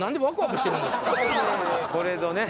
これぞね